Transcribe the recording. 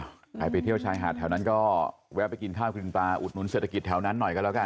ใครไปเที่ยวชายหาดแถวนั้นก็แวะไปกินข้าวกินปลาอุดหนุนเศรษฐกิจแถวนั้นหน่อยกันแล้วกัน